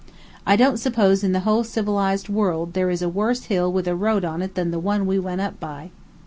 I don't suppose in the whole civilized world there is a worse hill with a road on it than the one we went up by.